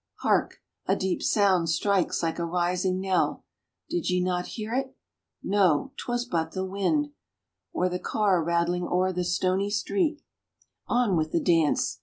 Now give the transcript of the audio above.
hark! a deep sound strikes like a rising knell! Did ye not hear it ?— No ; 'twas but the wind, Or the car rattling o'er the stony street ; On with the dance!